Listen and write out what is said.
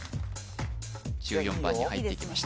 １４番に入っていきました